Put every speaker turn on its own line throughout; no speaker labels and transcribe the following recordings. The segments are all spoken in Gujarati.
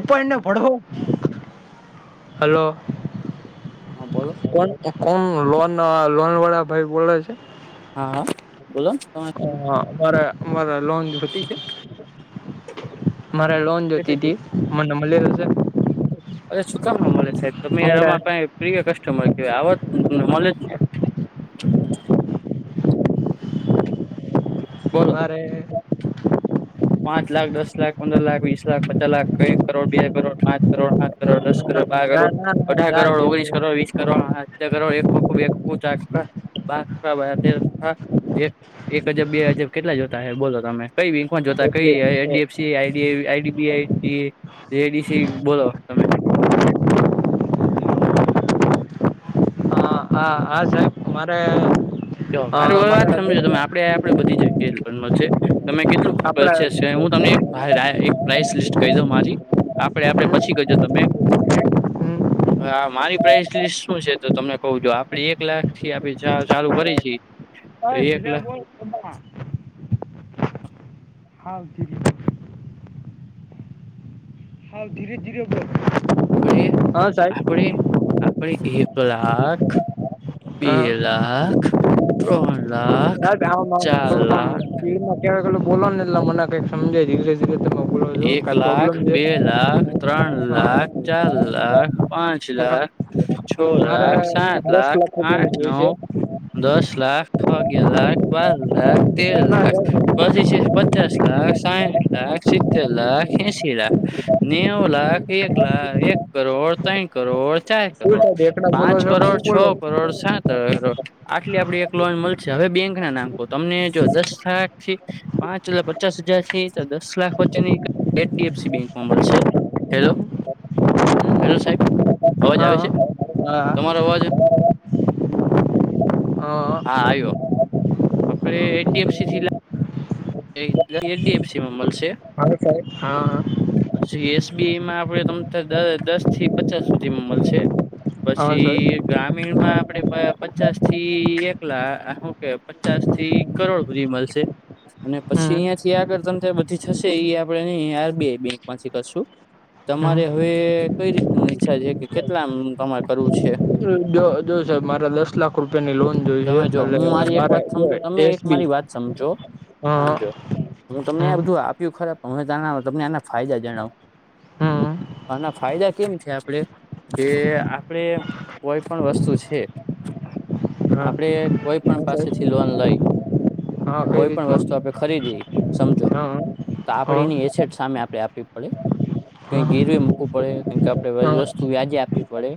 ઉપાયને
હા
ભળવો હલો
હા બોલો
કોણ કોણ લોન લોન વાળા ભાઈ બોલા છે.
હા બોલો ત
હ હા બરા બરા લોન મારે લોન જોતી હતીી મને મળીશે
અરે સુ કામ ન મળે સાહેબ તમે
મારે
આમાં કઈ કસ્ટમર કેવાય આવ નલેજ છે. બોલો
મારે [inaudible]
પાંચ લાખ દસ લાખ પંદર લાખ વીસ લાખ પચાસ લાખ એક કરોડ બે કરોડ પાંચ કરોડ આઠ કરોડ દસ
ના
કરો
ના ના ના ના
અઢાર
સાહેબ
કરોડ ઓગણીસો
એટલી
કર વીસ કરો કર એકખ બેખું ચ એક હજબ બે હજબ કેટલા જોતા હ બોલો તમે કઈ બેંક માં જોતા કઈ
એટલી એ,
એડીએફસી આ આઈડીબીઆઈડીસી બોલો તમે
હા હા હા સાહેબ મારે
જો મારે વાત સમજો તમેણે આપડે બધી જગ્યાએ છે તમે
આપણે
કેટલું હું તમને એક પ્રાઇસ લિસ્ટ કહી દો મારી આપડે આપડે પછી કજો તમે
હમ, હમ.
હા મારી પ્રઇસ લિસ્ટ શું છે તો તમને કહ જો આપડી એક લાખ થી આપ ચાલુ કરી છે.
હ જીરા બોલ હાવ દી હ ધીરે ધીરે
આપણે આપણે આપણે એક લાખ બે
હા
લાખ ત્રણ લાખ
ના
ચાર
થોડુંક
લાખ
કેવાેલું બોલો ને એટ મને કઈક સમજાય. બોલો છો
એક
કાઈ પ્રોબ્લેમ
લાખ
છે
બે લાખ ત્રણ
હા
લાખ ચાર લાખ. પાંચ
હા
લાખ છ
મારે
લાખ સાત
દસ
લાખ
રૂપિયાનું
આઠ
જોઈ છે
નવ દસ લાખ અગિયાર લાખ બાર લાખ તેર લાખ પસી છે પચાસ લાખ સાહીઠ લાખ સર લાખ એસી લાખ નેવું લાખ એક લાખ એક કરોડ ત્રણ કરોડ ચાર
શું
કરોડ
સાહેબ એકલા બોલો
પાંચ
છો કે હું
કરોડ છ
બોલો
કરોડ સાત આટલી આપડ એક લોન મળશે હવે બેંક ના નામ કહ તમને જો દસ લાખ થી. પાંચ એટલા પચાસ હજાર થી તો દસ લાખ છે ને એક H D F C bank માં મલસે. હેલો
છું?
હેલો સાહેબ અવાજ આવે
હા
છે?
હા
તમારો અવાજ હા આવ્યો. આપડે એચ ડી એફ સી લા એ એચ ડી એફ સી માં મલશે.
હા, હા.
પછી એસ બી આઈ માં આપડ તમને દસ થી પચાસ સુધી માં મલશે.
હા સાહેબ
પછી ગ્રામીણમાં આપડે પ-પચાસ થી એક લા હું કે પચાસ થી કરોડ હુંધી મલશે. અને પછી
હમ
અહીંયા થી આગળ તંત્ર બધી થશે એ આપડે ઈ આર બી આઈ બેંક માંથી કરશું.
હમ
તમારે હવે કઈ રીતનું ઈચ્છા છે કે કેટલામ તમારે કરવું છે?
જો જો જો સાબ મારે દસ લાખ રૂપિયાની લોન જોય છે
તમે જો હું
એટલે
મારી એક
મારે
વાત
જો
સમજો તમે
એસ
એક
બી
મારી વાત સમજો સમજો હું તમને આ
હમ
બધું આપ્યું ખરા પણ હું તમને આના ફાયદા જણાવું
હમ
અનેના ફાયદા કેમ છે આપડે જે આપડે કોઈ પણ વસ્તુ છે
હા હા
આપડે કોઈ પણ
સાહેબ
પાસે થી લોન લઈ
હા કઈ
કોઈ પણ વસ્તુ
રીતના
આપડે ખરીદી સમજો
હા
તો
હા
આપડીની એસેટ સામે આપે આપ વી પડે
હા
કઈ ગેરવે મૂકવું પડે કઈ આપે
હા
વસ્તુ વ્યાજે આપવી પડે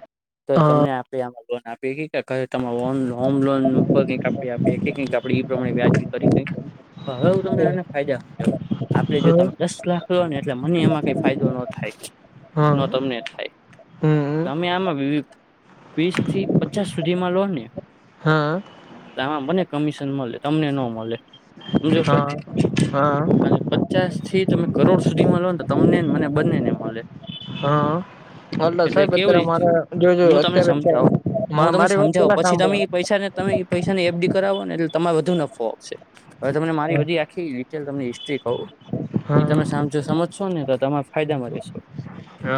તો
હા
તમને આપે આમાં લોન આપી કે તમા હોમ હોમ લોન કઈક આપ પે કઈક આપડે એ પ્રમાણે વ્યાજી કરી કઈક હવે હું તમને આને ફાયદા હમજાઉ. આપડે જો
હા
તમે દસ લાખ લો ને એટલે મને એમાં કઈ ફાયદો ન થાય. ન
હા
તમને થાય.
હમ
તમે આમાં વી વી વીસ થી પચાસ સુધીમાં લો ને
હા
તો આમાં મને કમિશન મલે તમને ન મલે હમજશો?
હા હા.
પચાસ થી તમે કરોડ સુધી મળો ને તો તમને મને બંનેને મલે
હા હલો સાહેબ
કેવી
અત્યારે
રીતે
મારા જો જો
હું તમને
અત્યારે
સમજાવું
ચા મા
હું તમને
મારી વાત
સમજાવું
પેલા
પછી તમે એ પૈસાને
સાંભળો
તમે એ પૈસાને એફ ડી કરાવો ને એટલે તમામે વધુ નફો. છે. હવે તમને મારી બધી આખી ડિટેલ તમને હિસ્ટ્રી કહું એ
હા હા
તમે સામજ સમજશો ને તો તમારે ફાયદા માં રહેશો.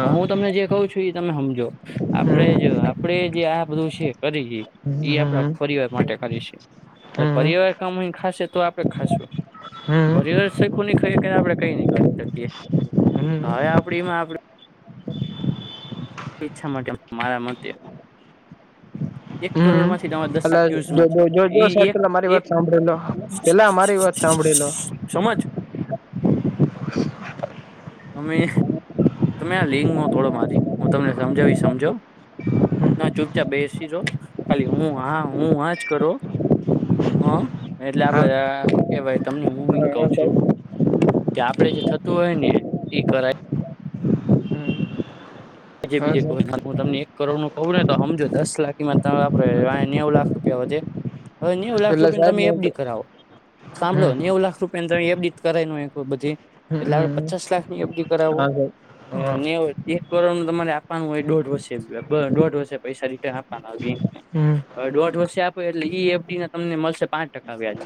હા, હું તમને જે કહું છું એ તમે હમજો
હમ
આપડે જો આપડે જે આ બધું છે કરી એ આપડા ફિરીવાર માટે કરી છે. એટલે
હમ
પરિવાર કમાઈ ખાશે તો આપડે ખાશું.
હમ
પરીવાર સરખું નહી ખાઈએ કે આપડે કઈ નહી કરી શકીએ.
હમ
તો હવે આપડીમાં આપડું ઈચ્છા માટે મારા માટે
હમ્મ,
માંથી તમારા દસ
એટલે
લાખ
જો
યુઝમાં છે
જો જો સાહેબ
ઈ એક
પેહલા મારી
એક
વાત સાંભળેલો. પેલા અમારી વાત સાંભળેલો.
સમજ તમે તમે આ લિંગ નો તોડો મારી. હું તમને સમજાવી ઈ સમજો. ના ચુપચાપ બેસી રહો ખાલી હું હા હું હાજ કરો. હા એટલે
હા હા
આપડે હું કેવાય તમને હું હું કઉ
હા
છું
સાહેબ
કે આપડે જે થતું હોય ને એ કરાય. હજી
હા
બીજે
સાહેબ
કહું [inaudible] હું તમને એક કરોડ નું કહું ને તો હમજો દસ લાખમાં તમે આપણે વહે નેવુ લાખ રૂપિયા વધે હવે નેવુ લાખ
એટલે
રૂપિયાની
સાહેબ
તમે
હું તો
એફડી કરાવો સાંભળો
હમ
નેવ લાખ રૂપ પિયાની તમે એફ ડી ત કરાઈ નો હકો બધી, એટલે આપડે
હમ
પચાસ લાખની એફ ડી કરાવો
હા સાહેબ હા
[inaudible] તમારે આપવાનું હોય દોઢ વર્ષે રૂપિયા, [unintelligible] દોઢ વર્ષે પૈસા રિટર્ન આપવાના હોય બેંકને.
હમ
હવે દોઢ વર્ષે આપે એટલે ઈ એફ ડી ના તમને મળશે પાંચ ટકા વ્યાજ.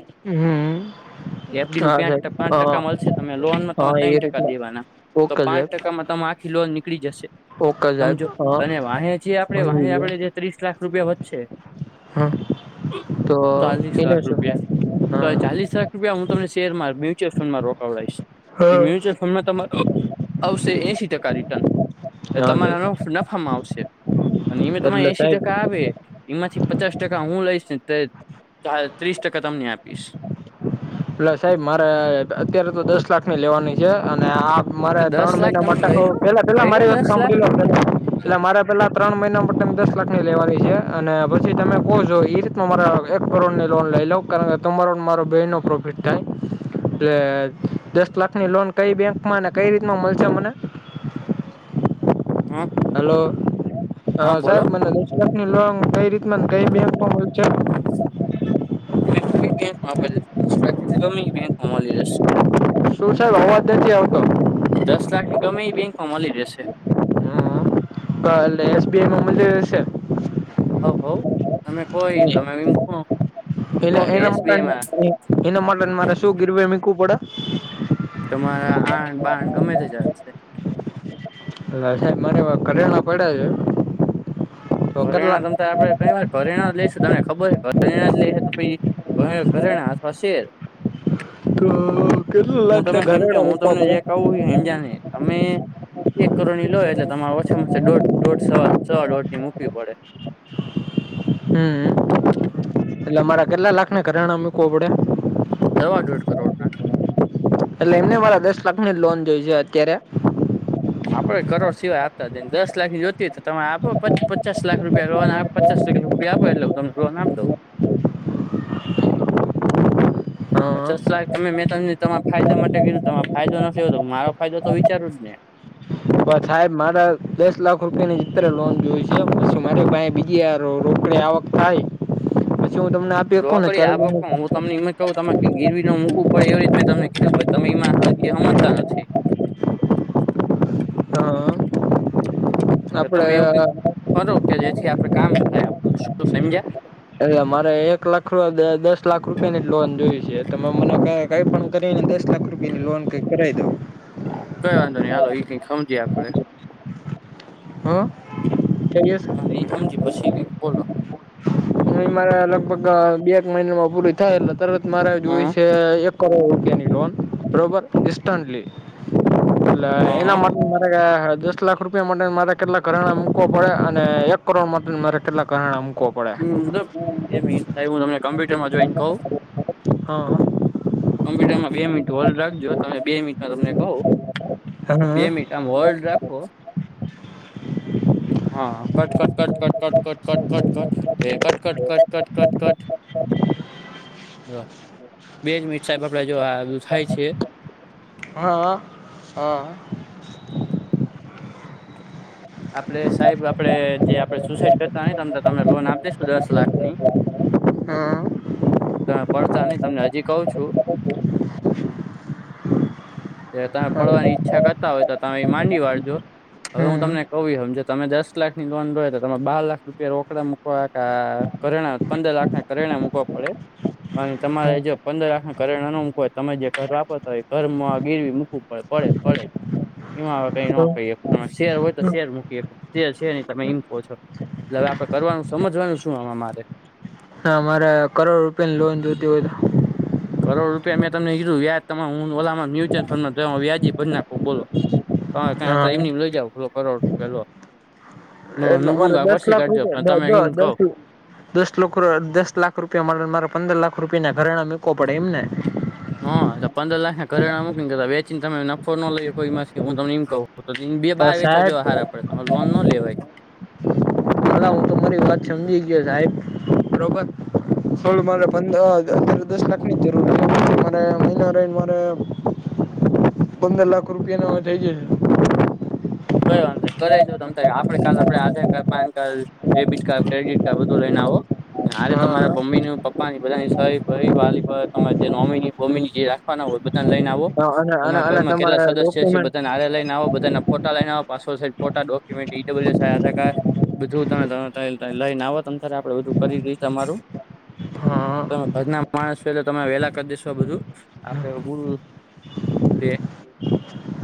[inaudible]
એફડી નું પેમેન્ટ
સાહેબ
તો પાંચ
હા
ટકા મળશે તમે લોનમાં
હા
તમે
એ
ત્રણ
રીતે
ટકા દેવાના તો
ઓકે
પાંચ
સાહેબ
ટકામાં તમાર ખી લોન નીકળી જશે.
ઓકે સાહેબ
સમજો
હા
અને વાહે જે આપડે વાહે
સમજી
આપડે જે ત્રીસ લાખ રૂપિયા વધશે
ગયો તો
ચાલીસ લાખ
એનું શું
રૂપિયા
હા
તો
હા
ચાલીસ લાખ રૂપિયા હું તમને શેરમાં મા મ્યુચ્યુલ ફંડમાં રોકાવડાઈશ, એ મ્યુચ્યુઅલ ફંડમાં તમારો આવશે એશી ટકા રિટર્ન એ
હા
તમારા
સાહેબ
નુફ નફામાં આવશે અને એમે તમારે
એટલે
એશી
સાહેબ
ટકા આવે એમાંથી પચાસ ટકા હું લઈશને તે તા ત્રીસ ટકા તમને આપીશ.
પ્લે સાહેબ મારે અત્યારે તો દસ લાખની લેવાની છે અને આ મારે
તો દસ
ત્રણ
લાખ
મહિના
તમે લઈ
માટેનું,
લો
પેલા પેલા
લઈ લો
મારી વાત
દસ લાખ
સાંભળી લો પહેલા એટલે મારે પહેલાં ત્રણ મહિના માટે ની દસ લાખની લેવાની છે અને પછી તમે કહો છો ઈ ર એમાં મારે એક કરોડ ની લોન લઈ લઉં, કારણ કે તમારો ને મારો બેય નો પ્રોફિટ બેટા એટલે દસ લાખની લોન કઈ બેંકમાં અને કઈ રીતમાં મળશે મને.
હમ્મ.
હલો હા સાહેબ મને [unintelligible] કઈ રીતના કઈ બેંકમાં મળશે
[unintelligible]
શું સાહેબ અવાજ નથી આવતો.
દસ લાખ ગમે એ બેંકમાં મલી રહેશે.
અ એટલે એસબીઆઈમાં મલી રહેશે.
હઉ હઉ તમે કો ઇમ તમે ઇમ કો
એને
કો કે
એના
એસબીઆઈ ના
માટે એના માટે ન મારે શું ગીરવે મીકવું પડે?
તમારા આન બાન ગમે તે ચાલશે.
લાયસન્સ માટેના ઘરેણા પડ્યા છે. તો
ઘરેણા
કેટલા
તમ તાર આપડે [unintelligible] ઘરેણા જ લઈશું તમને ખબર છે ઘરેણા જ લે છે કે પસી હોય ઘરેણાં અથવા શેર.
તો કેટલા
હું
લાખ
તમે
ના
એમ કે
ઘરેણા
હું
મૂકવા
તમને
પડે
જે કહું એ સમજ્યા નહિ. અમે એક કરોડની લો એટલે તમારે ઓછા માં ઓછા દોઢ દોઢ સવા સવા દોઢ ની મુક વી પડે.
હમ એટલે અમારા કેટલા લાખના ઘરેણાં મૂકવા પડે?
સવા દોઢ કરોડ ના.
એટલે એમ નઈ મારે દસ લાખની જ લોન જોઈ છી અત્યારે.
આપડે કરોડ સિવાય આપતા [inaudible] દસ લાખની જોતી હોય તો તમે આપો પચ પચાસ લાખ રૂપિયા લોન આપ પચાસ રુપિયા નું પિયા આપો એટલે હું તમને લોન આપ દઉં.
હા
પચાસ લાખ તમને મેં તમને તમાર ફાયદા માટે કીધું તમાર ફાયદો નથી જોતો, મારો ફાયદો તો વિચારું જ ને?
પણ સાહેબ મારા દસ લાખ રૂપિયા ની જ અત્યારે લોન જોઇ છી, પછી મારી પાહે બીજી આ રો રોકડી આવક થાય પછી હું તમને આપી હકુ ને
રોકડી
ત્યારે
આવક પણ
[unintelligible]
હું તમને ઇમ જ કહું તમે કઈ ગીરવી ન મુૂકવું પડે એવી રીતના તમે તમને કીધું તમે એમાં હરખી હમજતા નથી.
હા
તો
આપડે
તમે એવું કઈક કરો કે જેથી આપડે કામ થાય આપડું શું સમજ્યા?
એ મારે એક લાખ દસ લાખ રૂપિયા ની જ લોન જોય છે તમે મને ક કઈ પણ કરીને દસ લાખ રૂપિયા ની લોન કઈ કરાવી દો
કઈ વાંધો નઈ હાલો એ કઈ સમજીે આપડે.
[inaudible]
હા એ સમજ પછી બોલો્
મહ મારે લગભગ બે એક મહિના માં પૂરી થાય એટલે તરત મારે જોય
હમ
છે એક કરોડ રૂપિયાની લોન બરોબર ડિસ્ટલી એ એના માટે મારે દસ્ટલા રૂપિયા માટે મારે કેટલાક ઘરણા મૂકવા પડે અને એક કરોડ માટે મારે કેટલાક ઘરણા મૂકવા પડે
એ થ હું તમને કમ્પ્યુટરમાં જોઈન કહ
[inaudible]
કોમ્પુટરમાં બે મિનટ હોડ રાખજો તમે બે મિનટમાં તમને કહો બે
હા
મિટ આમ હોલ્ડ રાખો. હા કટટટટટટટટટ એ કટ કટ કટટ કટ કટ હ વજ મિરચાાઈપડા જો થાય છે.
[inaudible] [inaudible]
આપડે સાહેબ આપડે જે આપડે સુસાઈડ કરતા હોયમ તમને લોન આપ દઈશું દસ લાખ ની
[inaudible]
ત પડતા નહી તમને હજી કઉ છુ.
[inaudible]
તમે પડવાની ઈચ્છા કરતા હોય તો તમે માંડી વાળજો હવે હું
હા
તમને કહ હમજ તમે દસ લાખ ની લોન જોોય તો તમે બાર લાખ રૂપિયા રોકડા મકવા કે કરેણા પંદર લાખના કરેણા મૂકવા પડે અને તમારે જો પંદર લાખ ના કરેણા ના મૂકવા હોય તમે જે ઘર વાપરતા હોય એ ઘર માં ગીરવી મૂકવું પડ પડે પડે એમાં હવે કઈ ન
હમ
ક ત શેર તો શેર મૂકી શેર છે ન તમે ઈમકો છો એટલે હવે આપડે કરવાનું સમજવાનું શું આ મારે
ના મારે કરોડ રૂપિયા ની લોન જોતી હો હત
કરોડ રૂપિયા મેં તમને કીધું વ્યાજ તમા હું ઓલામાં મ્યુચ્યઅલ ફંડમાં જ વ્યાજ ભજ નાખું બોલો હા કઈ એમ લઈ જાવોલો કરોડ પેલો.
એટલે મારે દસ લાખ
કાઢજો પણ
રૂપિયા
તમે
જો
એમ કહો
દસ લાખ. દસખ દસ લાખ રૂપિયા મારે પંદર લાખ રૂપિયા ના ઘરેણા મૂકો પડે એમને
હા પંદર લાખ ના ઘ કરણા મક ને વચીને તમે નફો ન લઈ કોઈમાં હું તમને ઇકવ.
પણ સાહેબ
બેહાર હાર પડે લોન નો લેવા
હા હું તમારી વાત સમજી ગયો સાહેબ બરોબર હોલો મારે પંદર અર દસ લાખ ની જરૂર છે મારે મહિના ર મારે પંદર લાખ રૂપિયા ન હવે થઇ જ છે.
તોઈ વાંધ કર જો તમ આપડે કાલ આપે Aadhaar card PAN card debit card credit card બધું લઈને આવો હા રે તમારા બમ્મી ન પપ્પાની બધાની સઈ ભાઈ વાલી તમાર નોમીની બોમી ની જે રાખ પા ના હોય બધાને લઈને આવો
અને અને
તમારા
અને
ઘરમાં કેટલા
તમારા
સદસ્ય છે
ડોક્યુમેન્ટ
બધાને હારે લઈને આવો બધાય. બધા લઈને આવા પાસપોર્ટ સાઈઝ ફોટા ડોક્યુમેન્ટ ઇ ડબલ્યુ છ આધારકાર્ડ બધું તમે તાર લઈને આવો તમતારે આપડે બધું કરી દઈ તમારુ
હા
તમે ઘર ના માણસ છો એટલે તમે વેલા કર દઈશું આ બધું આપડ તે,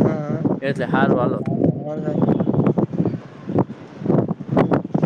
હા
એટલે હારું હાલો.
હા